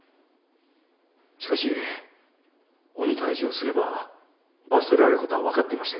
しかし鬼退治をすれば罰せられることは分かっていましたよね？